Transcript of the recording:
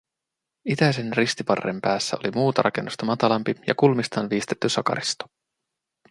Itäisen ristivarren päässä oli muuta rakennusta matalampi ja kulmistaan viistetty sakaristo